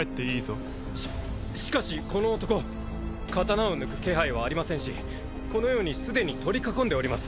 ししかしこの男刀を抜く気配はありませんしこのようにすでに取り囲んでおります。